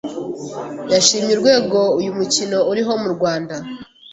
yashimye urwego uyu mukino uriho mu Rwanda